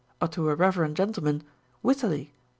or to a rever end gentleman. Wittily